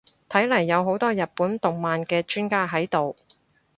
睇嚟有好多日本動漫嘅專家喺度